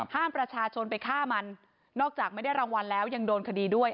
ห้ามประชาชนไปฆ่ามันนอกจากไม่ได้รางวัลแล้วยังโดนคดีด้วย